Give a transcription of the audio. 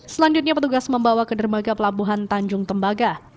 selanjutnya petugas membawa ke dermaga pelabuhan tanjung tembaga